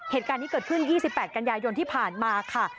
เหตุการณ์นี้เกิดขึ้น๒๘กันยายนที่ผ่านมาค่ะ